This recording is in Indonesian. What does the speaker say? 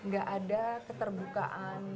gak ada keterbukaan